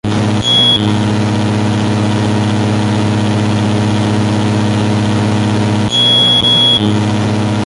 Desde allí en adelante, el río solo es navegables para embarcaciones pequeñas.